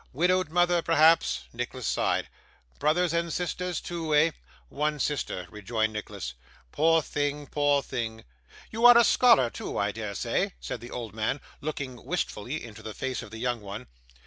Widowed mother, perhaps?' Nicholas sighed. 'Brothers and sisters too? Eh?' 'One sister,' rejoined Nicholas. 'Poor thing, poor thing! You are a scholar too, I dare say?' said the old man, looking wistfully into the face of the young one.